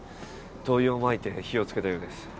灯油をまいて火を付けたようです。